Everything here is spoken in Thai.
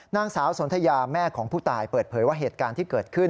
นางสาวสนทยาแม่ของผู้ตายเปิดเผยว่าเหตุการณ์ที่เกิดขึ้น